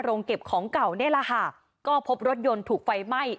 เก็บของเก่านี่แหละค่ะก็พบรถยนต์ถูกไฟไหม้